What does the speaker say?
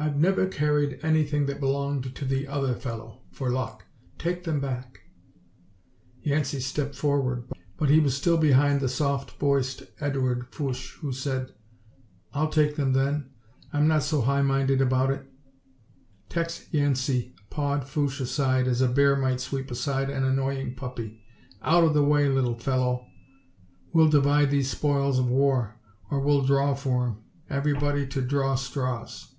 I've never carried anything that belonged to the other fellow, for luck. Take them back." Yancey stepped forward, but he was still behind the soft voiced Edouard Fouche, who said: "I'll take them, then. I'm not so high minded about it." Tex Yancey pawed Fouche aside as a bear might sweep aside an annoying puppy. "Out of the way, little fellow. We'll divide these spoils of war or we'll draw for 'em. Everyone to draw straws."